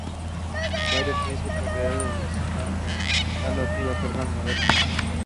He played for Lahore Lions and Lahore Ravi.